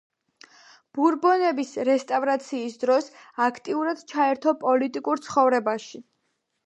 ბურბონების რესტავრაციის დროს აქტიურად ჩაერთო პოლიტიკურ ცხოვრებაში.